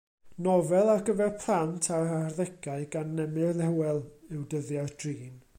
Nofel ar gyfer plant a'r arddegau gan Emyr Hywel yw Dyddiau'r Drin.